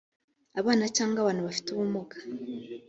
abana cyangwa abantu bafite ubumuga